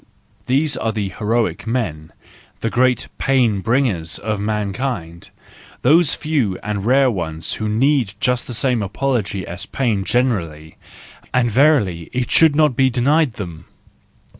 These are the heroic men, the great pain bringers of mankind: those few and rare ones who need just the same apology as pain generally,—and verily, it should not be denied them!